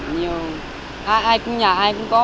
nếu có có thể có